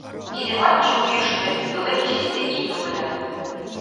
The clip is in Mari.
Кидемат чуҥ йӱштӧ, йолем — чисти ий комыля...